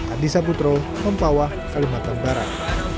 adisa putro mempawah kalimantan barat